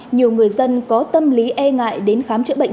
nhiều người dân có tâm lý e ngại đến khám chữa bệnh